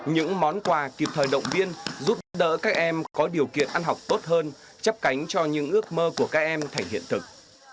những món quà kịp thời động viên giúp đỡ các em có điều kiện ăn học tốt hơn chấp cánh cho những ước mơ của các em thành hiện thực